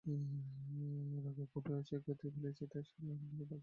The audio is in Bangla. রাগের মুখে সে কী কথা বলিয়াছে, তাই শুনিয়া অমনি বাঁকিয়া বসিতে হইবে!